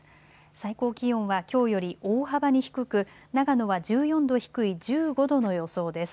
最高気温はきょうより大幅に低く長野は１４度低い１５度の予想です。